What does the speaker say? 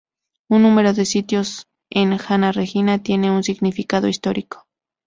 Un número de sitios en Anna Regina tiene un significado histórico.